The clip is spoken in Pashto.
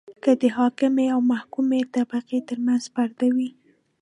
که د حاکمې او محکومې طبقې ترمنځ پردې وي.